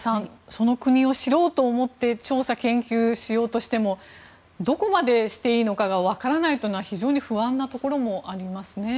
その国を知ろうと思って調査・研究しようとしてもどこまでしていいかわからないというのは非常に不安なところもありますね。